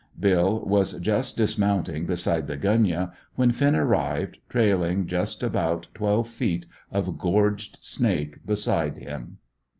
Bill was just dismounting beside the gunyah when Finn arrived, trailing just upon twelve feet of gorged snake beside him.